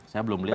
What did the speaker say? saya belum lihat